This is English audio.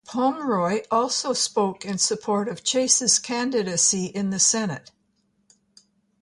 Pomeroy also spoke in support of Chase's candidacy in the Senate.